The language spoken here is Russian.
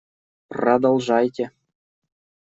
Продолжайте!